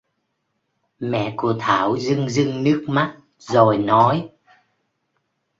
Mẹ của Thảo dưng dưng nước mắt rồi nói